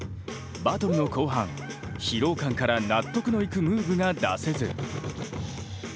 バトルの後半疲労感から納得のいくムーブが出せず。